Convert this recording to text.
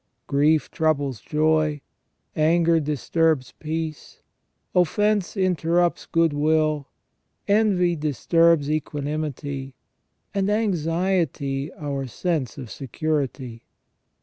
Grief troubles joy, anger disturbs peace, offence interrupts good will, envy disturbs equanimity, and anxiety our sense of security.